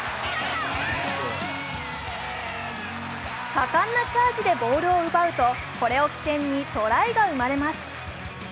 果敢なチャージでボールを奪うとこれを起点にトライが生まれます。